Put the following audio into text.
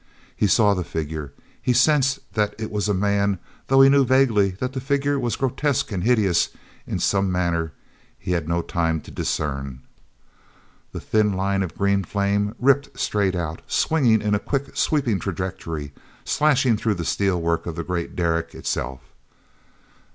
He saw the figure. He sensed that it was a man, though he knew vaguely that the figure was grotesque and hideous in some manner he had no time to discern. The thin line of green flame ripped straight out, swinging in a quick, sweeping trajectory, slashing through the steelwork of the great derrick itself!